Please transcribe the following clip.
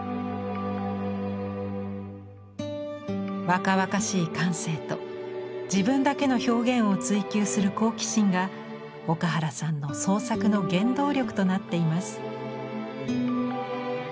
若々しい感性と自分だけの表現を追求する好奇心が岡原さんの創作の原動力となっています。